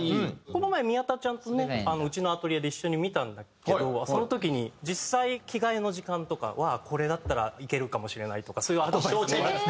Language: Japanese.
この前宮田ちゃんとねうちのアトリエで一緒に見たんだけどその時に実際着替えの時間とかはこれだったらいけるかもしれないとかそういうアドバイスもらって。